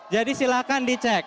jadi silakan dicek